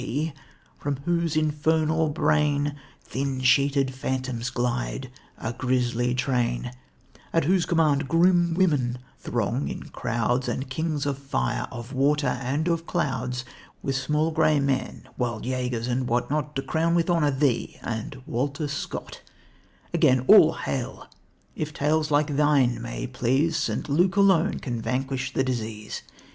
P., from whose infernal brain Thin sheeted phantoms glide, a grisly train; At whose command 'grim women' throng in crowds And kings of fire, of water, and of clouds With small grey men wild yagers and what not, To crown with honour thee and Walter Scott; Again, all hail! if tales like thine may please, St. Luke alone can vanquish the disease.